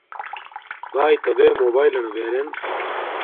بایتا بے موباݵلنا بلنس